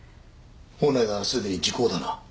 本来ならすでに時効だな。